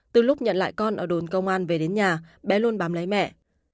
từ lúc nhận lại con ở đồn công an về đến nhà bé luôn bám lấy mẹ